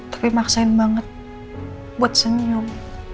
tapi maksain banget buat senyum